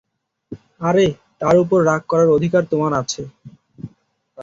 আরে, তার উপর রাগ করার অধিকার তোমার আছে।